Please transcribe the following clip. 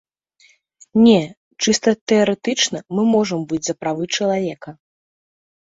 Не, чыста тэарэтычна мы можам быць за правы чалавека.